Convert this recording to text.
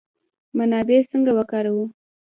منابع څنګه وکاروو؟